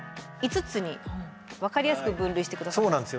５つに分かりやすく分類して下さって。